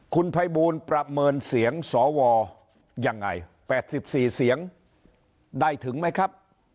คุณภัยบูลประเมินเสียงสวยังไง๘๔เสียงได้ถึงไหมครับ